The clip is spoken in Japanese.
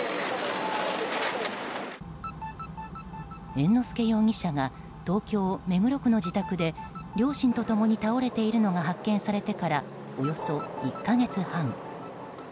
猿之助容疑者が東京・目黒区の自宅で両親と共に倒れているのが発見されてからおよそ１か月半。